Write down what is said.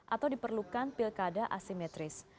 atau diperlukan pilkada asimetris